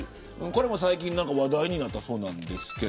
これも最近話題になったそうなんです。